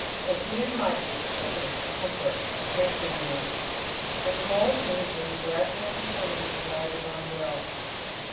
May He enlighten, quicken, comfort, strengthen me; and mould me in gradual conformity to Thy divine will.